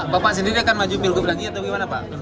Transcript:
bapak sendiri akan maju pilgub lagi atau gimana pak